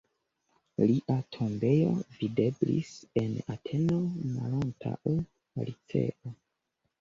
Lia tombejo videblis en Ateno, malantaŭ la Liceo.